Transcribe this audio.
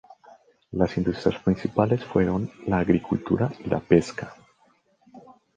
Las industrias principales fueron la agricultura y la pesca.